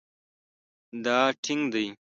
دا ټینګ دی